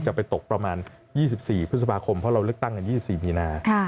จะไปตกประมาณ๒๔พฤษภาคมเพราะเราเลือกตั้งกัน๒๔มีนา